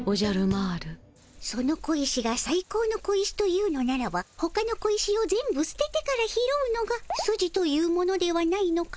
その小石がさい高の小石と言うのならばほかの小石を全部すててから拾うのがスジというものではないのかの？